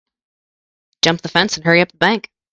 Jump the fence and hurry up the bank.